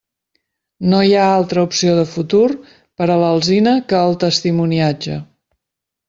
No hi ha altra opció de futur per a l'alzina que el testimoniatge.